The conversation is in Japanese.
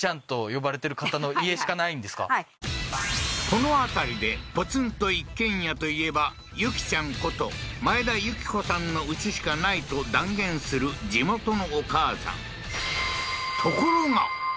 この辺りでポツンと一軒家といえばユキちゃんことマエダユキコさんのうちしかないと断言する地元のお母さんところが？